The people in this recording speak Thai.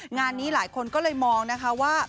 งานนี้หลายคนก็เลยมองนะคะว่า